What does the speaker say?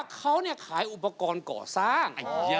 เขาขายอุปกรณ์ก่อสร้าง